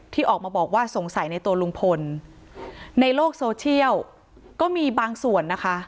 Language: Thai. ที่ออกมาบอกว่าสงสัยในตัวลุงพลในโลกโซเชียลก็มีบางส่วนนะคะ